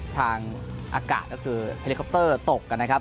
ทางอากาศก็คือเฮลิคอปเตอร์ตกกันนะครับ